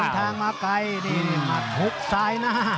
เดินทางมาไกลมัดหุบซ้ายหน้า